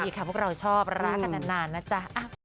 มีค่ะพวกเราชอบรักค่ะนานนะจ้ะ